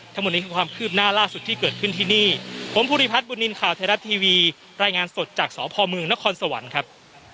ทั้งหมดนี้คือความคืบหน้าล่าสุดที่เกิดขึ้นที่นี่ผมภูริพัฒนบุญนินทร์ข่าวไทยรัฐทีวีรายงานสดจากสพเมืองนครสวรรค์ครับ